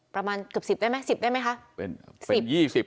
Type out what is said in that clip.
ประมาณเกือบ๑๐ได้ไหม๑๐ได้ไหมคะ